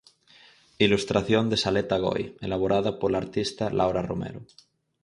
Ilustración de Saleta Goi elaborada pola artista Laura Romero.